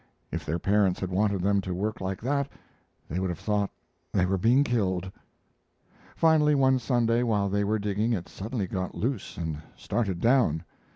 If their parents had wanted them to work like that, they would have thought they were being killed. Finally one Sunday, while they were digging, it suddenly got loose and started down.